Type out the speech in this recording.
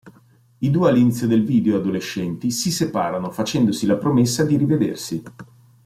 I due, all'inizio del video adolescenti, si separano, facendosi la promessa di rivedersi.